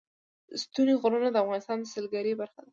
ستوني غرونه د افغانستان د سیلګرۍ برخه ده.